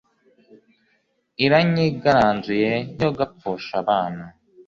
iranyigaranzuye yogapfusha abana